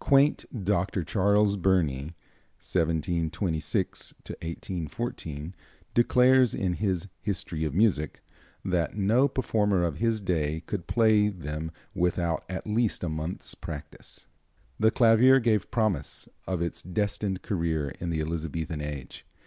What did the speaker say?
Quaint Dr. Charles Burney (1726 1814) declares, in his "History of Music," that no performer of his day could play them without at least a month's practice. The clavier gave promise of its destined career in the Elizabethan age.